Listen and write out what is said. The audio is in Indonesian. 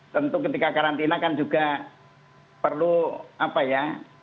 tentu ketika karantina kan juga perlu apa ya